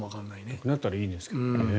なくなったらいいですけどね。